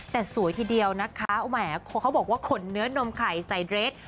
แต่สวยทีเดียวนะคะแหมเขาบอกว่าขนเนื้อนมไข่ใส่เดรส